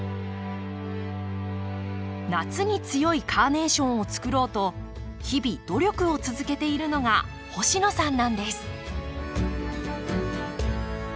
夏に強いカーネーションをつくろうと日々努力を続けているのが星野さんなんです。